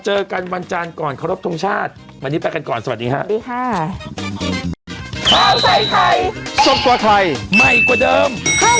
สดกว่าไทยใหม่กว่าเดิม